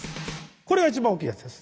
これが一番大きいやつです。